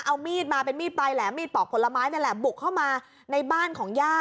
เอามีดมาเป็นมีดปลายแหลมมีดปอกผลไม้นี่แหละบุกเข้ามาในบ้านของย่า